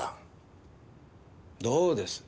どうです？